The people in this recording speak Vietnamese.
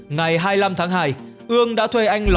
ngày hai mươi năm tháng hai hương đã thuê anh lò